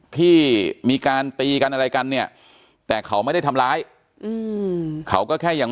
ที่มีการตีกันอะไรกันเนี่ยแต่เขาไม่ได้ทำร้ายอืมเขาก็แค่ยัง